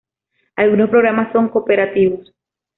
Algunos programas son cooperativos.